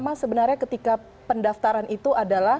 yang paling utama sebenarnya ketika pendaftaran itu adalah